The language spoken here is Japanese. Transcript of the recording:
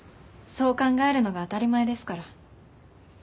そう考えるのが当たり前ですから。